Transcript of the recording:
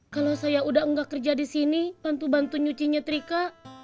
kalau saya udah gak kerja disini bantu bantu nyuci sama nyetrika